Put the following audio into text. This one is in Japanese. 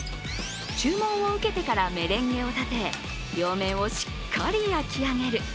注文を受けてからメレンゲを立て両面をしっかり焼き上げる。